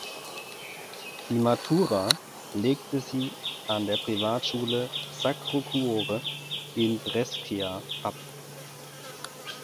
Die Matura legte sie an der Privatschule „Sacro Cuore“ in Brescia ab.